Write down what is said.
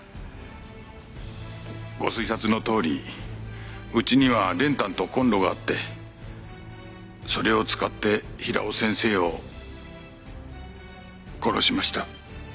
ご推察のとおりうちには練炭とコンロがあってそれを使って平尾先生を殺しました。